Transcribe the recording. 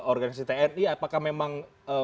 organisasi tni apakah memang